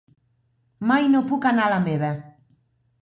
Mai no puc anar a la meva.